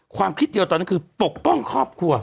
ความคิดเดียวตอนนั้นคือปกป้องครอบครัว